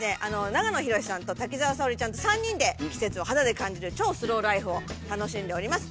長野博さんと滝沢沙織ちゃんと３人で季節を肌で感じる超スローライフを楽しんでおります。